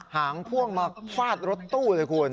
หางพ่วงมาฟาดรถตู้เลยคุณ